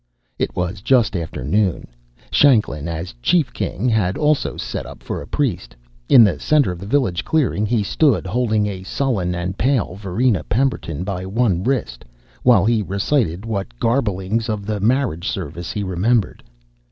It was just after noon. Shanklin, as chief king, had also set up for a priest. In the center of the village clearing, he stood holding a sullen and pale Varina Pemberton by one wrist, while he recited what garblings of the marriage service he remembered.